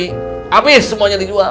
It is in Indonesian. habis semuanya dijual